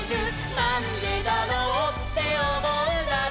「なんでだろうっておもうなら」